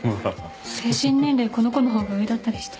精神年齢この子の方が上だったりして。